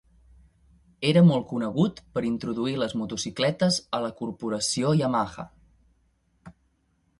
Era molt conegut per introduir les motocicletes a la corporació Yamaha.